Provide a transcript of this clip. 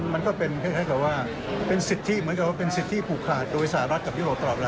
มันก็เป็นเหมือนกับว่าเป็นสิทธิผูกขาดโดยสหรัฐกับยุโรปตลอดละ